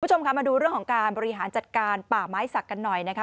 คุณผู้ชมค่ะมาดูเรื่องของการบริหารจัดการป่าไม้สักกันหน่อยนะคะ